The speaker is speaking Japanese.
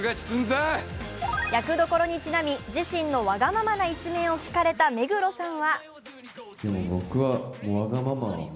役どころにちなみ、自身のわがなままな一面を聞かれた目黒さん。